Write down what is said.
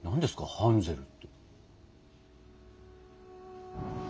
ハンゼルって。